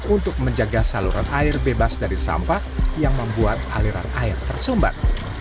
untuk menjaga saluran air bebas dari sampah yang membuat aliran air tersumbat